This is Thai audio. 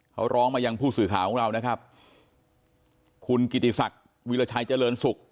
เขาร้องมายังผู้สื่อข่าวของเรานะครับคุณกิติศักดิ์วิราชัยเจริญสุข